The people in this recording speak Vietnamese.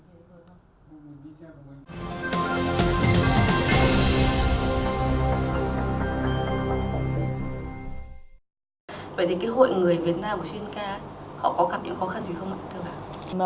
hội người việt nam ở sri lanka có gặp những khó khăn gì không ạ